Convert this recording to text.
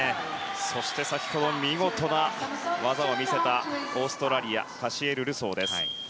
そして先ほど見事な技を見せたオーストラリアカシエル・ルソー。